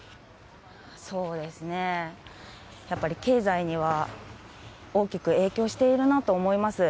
やっぱり経済には大きく影響しているなと思います。